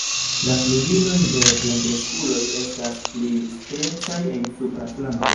La flugiloj de plenkreskuloj estas pli striecaj en supra flanko.